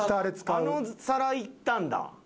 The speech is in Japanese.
あの皿いったんだ。